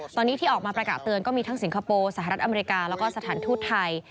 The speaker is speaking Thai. ตอนนี้ที่ออกมาประกาศเตือนก็มีทั้งสิงคโปร์สหรัฐอเมริกาแล้วก็สถานทูตไทย